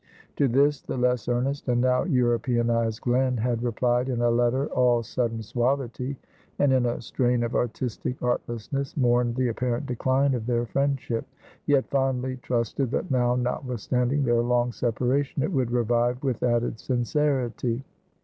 To this, the less earnest and now Europeanized Glen had replied in a letter all sudden suavity; and in a strain of artistic artlessness, mourned the apparent decline of their friendship; yet fondly trusted that now, notwithstanding their long separation, it would revive with added sincerity.